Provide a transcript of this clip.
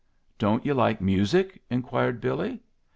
"Don't you like music?" inquired Billy.